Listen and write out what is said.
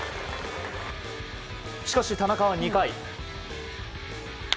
しかし、田中は２回。